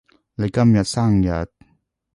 你今日生日？